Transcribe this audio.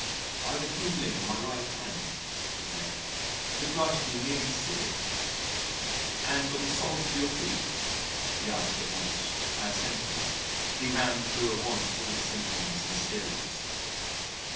"I've a tingling in my right hand," I said, "that drives me nearly silly." "And on the soles of your feet?" he asked at once. I assented, and he ran thro' at once all the symptoms in series.